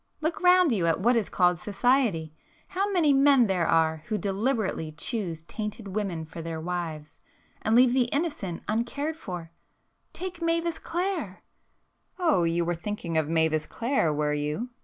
Look round you at what is called 'society'! How many men there are who deliberately choose tainted women for their wives, and leave the innocent uncared for! Take Mavis Clare——" "Oh, you were thinking of Mavis Clare, were you?"